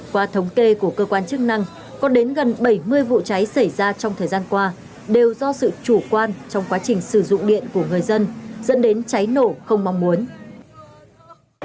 qua thống kê của cơ quan chức năng có đến gần bảy mươi vụ cháy xảy ra trong thời gian qua đều do sự chủ quan trong quá trình sử dụng điện của người dân dẫn đến cháy nổ không mong muốn